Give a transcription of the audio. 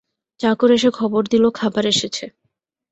চাকর এসে খবর দিল খাবার এসেছে।